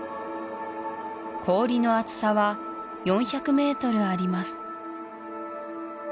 氷の厚さは４００メートルあります